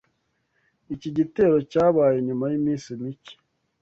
Iki gitero cyabaye nyuma y’iminsi mike